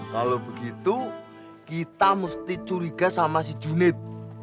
kalau begitu kita mesti curiga sama si unit